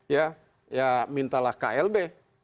ya ya mintalah klb